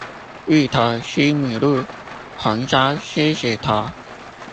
芋頭西米露，紅燒獅子頭